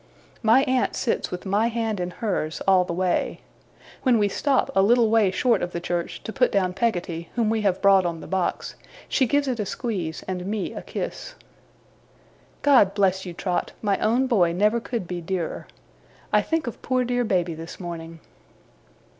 My aunt sits with my hand in hers all the way. When we stop a little way short of the church, to put down Peggotty, whom we have brought on the box, she gives it a squeeze, and me a kiss. 'God bless you, Trot! My own boy never could be dearer. I think of poor dear Baby this morning.